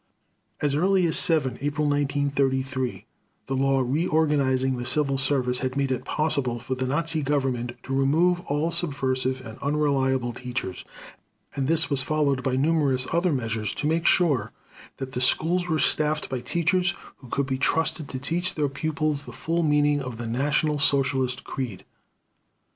As early as 7 April 1933 the law reorganizing the civil service had made it possible for the Nazi Government to remove all "subversive and unreliable teachers"; and this was followed by numerous other measures to make sure that the schools were staffed by teachers who could be trusted to teach their pupils the full meaning of the National Socialist creed.